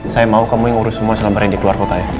saya mau kamu yang urus semua selama hari yang dikeluar kotanya